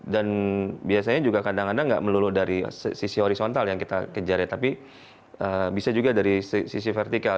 dan biasanya juga kadang kadang gak melulu dari sisi horizontal yang kita kejar ya tapi bisa juga dari sisi vertikal